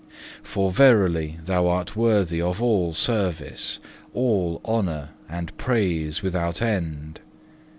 For verily Thou art worthy of all service, all honour, and praise without end.